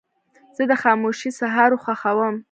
زه د خاموشو سهارو خوښوم.